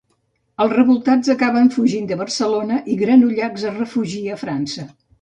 Els revoltats acaben fugint de Barcelona i Granollacs es refugia a França.